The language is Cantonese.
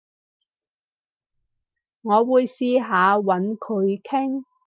我會試下搵佢傾